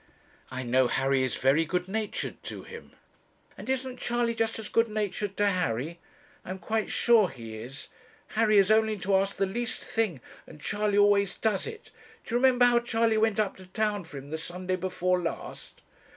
'I know Harry is very good natured to him.' 'And isn't Charley just as good natured to Harry? I am quite sure he is. Harry has only to ask the least thing, and Charley always does it. Do you remember how Charley went up to town for him the Sunday before last?'